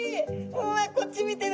うわこっち見てる。